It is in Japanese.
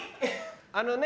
あのね。